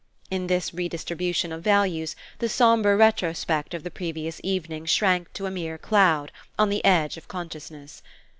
In this redistribution of values the sombre retrospect of the previous evening shrank to a mere cloud on the edge of consciousness.